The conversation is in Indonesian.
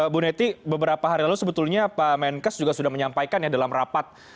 bu neti beberapa hari lalu sebetulnya pak menkes juga sudah menyampaikan ya dalam rapat